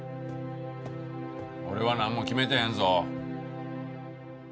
俺はなんも決めてへんぞ。